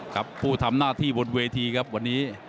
ผู้ทำหน้าที่บนเวทีครับวันนี้